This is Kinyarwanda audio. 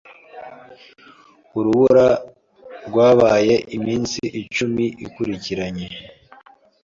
Urubura rwabaye iminsi icumi ikurikiranye.